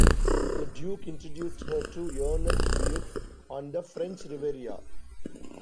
The duke introduced her to Ernest Beaux on the French Riviera.